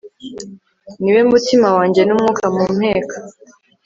niwe mutima wanjye, n'umwuka mpumeka